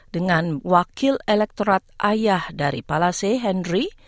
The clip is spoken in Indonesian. dengan wakil elektorat ayah dari palase henry